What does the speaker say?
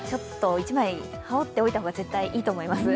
１枚羽織っておいた方がいいと思います。